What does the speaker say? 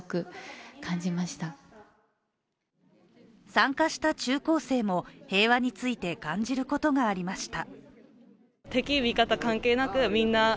参加した中高生も平和について感じることがありました。